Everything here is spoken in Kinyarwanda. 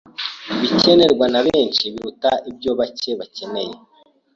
Ibikenerwa na benshi biruta ibyo bake bakeneye.